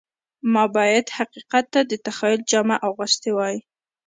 ما باید حقیقت ته د تخیل جامه اغوستې وای